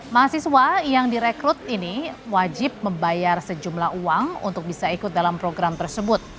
mahasiswa yang direkrut ini wajib membayar sejumlah uang untuk bisa ikut dalam program tersebut